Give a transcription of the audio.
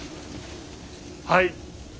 はい。